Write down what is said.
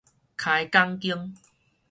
開講間